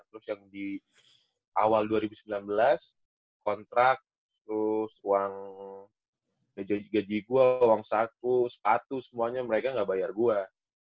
terus yang di awal dua ribu sembilan belas kontrak terus uang gaji gue uang saku sepatu semuanya mereka nggak bayar gue